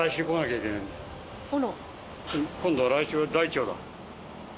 今度は来週大腸だ。